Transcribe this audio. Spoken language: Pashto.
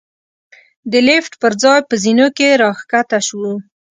د لېفټ پر ځای په زېنو کې را کښته شوو.